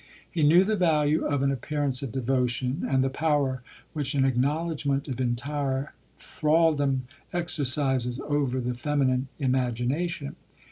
He knew the value of an appearance of devotion, and the power which an acknowledgment of entire thraldom exercises over the feminine imagina tion.